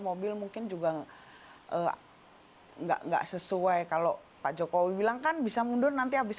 mobil mungkin juga enggak enggak sesuai kalau pak jokowi bilang kan bisa mundur nanti habis